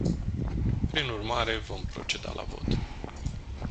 Prin urmare vom proceda la vot.